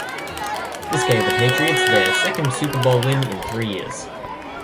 This gave the Patriots their second Super Bowl win in three years.